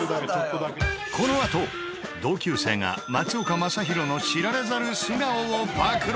このあと同級生が松岡昌宏の知られざる素顔を暴露！